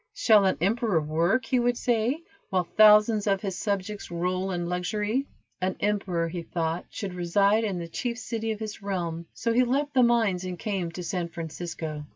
"Shall an emperor work," he would say, "while thousands of his subjects roll in luxury?" An emperor, he thought, should reside in the chief city of his realm, so he left the mines and came to San Francisco.